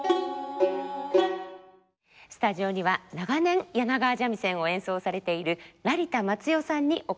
スタジオには長年柳川三味線を演奏されている成田松代さんにお越しいただきました。